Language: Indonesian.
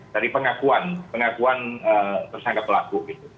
dari pengakuan pengakuan tersangka pelaku gitu